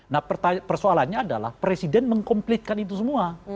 nah persoalannya adalah presiden mengkomplitkan itu semua